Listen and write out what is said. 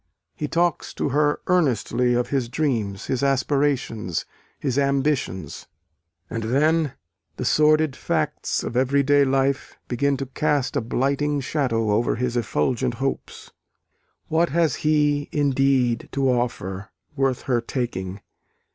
He talks to her earnestly of his dreams, his aspirations, his ambitions: and then the sordid facts of every day life begin to cast a blighting shadow over his effulgent hopes. What has he, indeed, to offer, worth her taking?